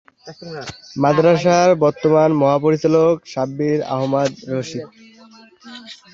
মাদ্রাসার বর্তমান মহাপরিচালক শাব্বির আহমাদ রশিদ।